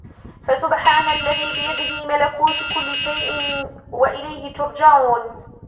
فسبحان الذي بيده ملكوت كل شيء وإليه ترجعون